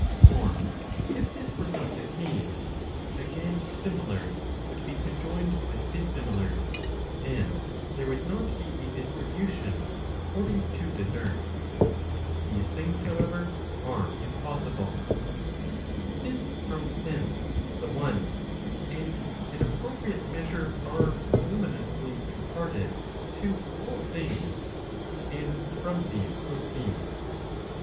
For if this were not the case, again similars would be conjoined with dissimilars, and there would not be a distribution according to Digitized by Google PROP. CXXXVII. CXXXV1II. OF THEOLOGY. 393 desert. These things, however, are impossible. Since from thence the one, and an appropriate measure are luminously imparted to all things, and from these proceed.